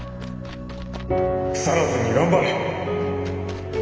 くさらずに頑張れ！